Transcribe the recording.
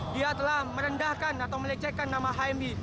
dia telah merendahkan atau melecehkan nama hmi